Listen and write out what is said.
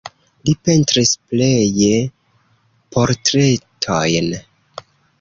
Li pentris pleje portretojn.